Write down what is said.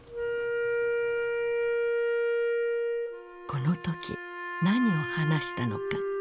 この時何を話したのか？